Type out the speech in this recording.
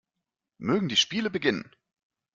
Mögen die Spiele beginnen!